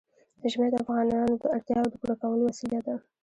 ژمی د افغانانو د اړتیاوو د پوره کولو وسیله ده.